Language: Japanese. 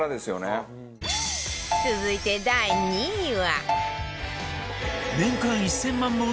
続いて第２位は